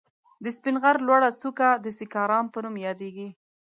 د سپين غر لوړه څکه د سيکارام په نوم ياديږي.